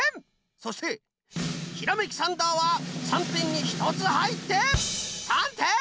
そしてひらめきサンダーは３てんに１つはいって３てん！